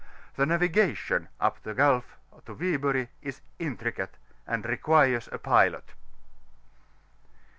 The navigation up the Gnlf to Wyburg is intricate, and requnres a julot.